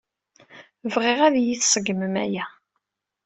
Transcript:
Bɣiɣ ad iyi-tṣeggmem aya.